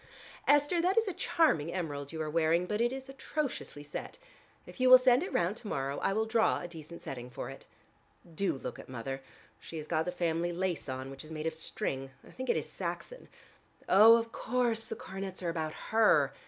Esther, that is a charming emerald you are wearing but it is atrociously set. If you will send it round to morrow, I will draw a decent setting for it. Do look at Mother. She has got the family lace on, which is made of string. I think it is Saxon. Oh, of course the coronets are about her.